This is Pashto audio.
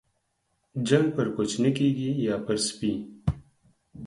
جنگ پر کوچني کېږي ، يا پر سپي.